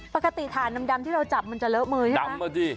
ปกติถ่านดำที่เราจับมันจะเลอะมือใช่ไหมดำมาดี